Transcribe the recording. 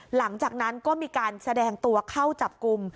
หลังจากนั้นก็มีการแสดงตัวเข้าจับกลุ่ม